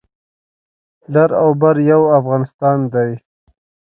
لر او بر یو افغانستان دی